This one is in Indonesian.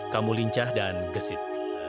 kamu lincah dan gesit